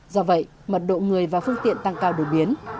do vậy mật độ người và phương tiện tăng cao đột biến